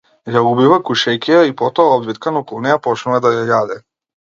Ја убива, гушејќи ја, и потоа обвиткан околу неа почнува да ја јаде.